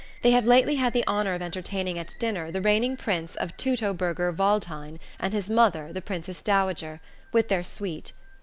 They have lately had the honour of entertaining at dinner the Reigning Prince of Teutoburger Waldhain and his mother the Princess Dowager, with their suite.